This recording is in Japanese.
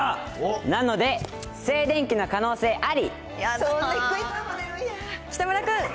なので、静電気の可能性あり！